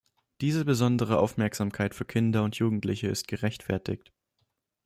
Diese besondere Aufmerksamkeit für Kinder und Jugendliche ist gerechtfertigt.